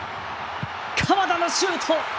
鎌田のシュート。